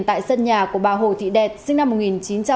tại sân nhà của bà hồ thị đẹt sinh năm một nghìn chín trăm bốn mươi chín